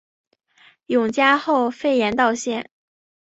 永嘉后废严道县。